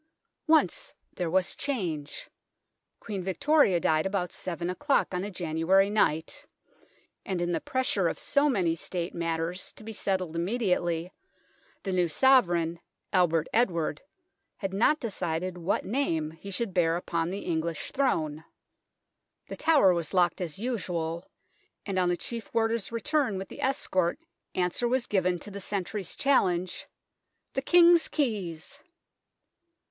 Once there was change. Queen Victoria died about seven o'clock on a January night, and in the pressure of so many State matters to be settled immediately, the new Sovereign, Albert Edward, had not decided what name he should bear upon the English Throne. The 148 THE TOWER OF LONDON Tower was locked as usual, and on the Chief Warder's return with the escort answer was given to the sentry's challenge " The King's keys